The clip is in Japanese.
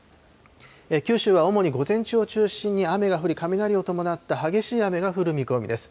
九州は主に午前中を中心に雨が降り、雷を伴った激しい雨が降る見込みです。